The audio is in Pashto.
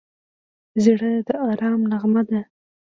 زړه د ارام نغمه ده.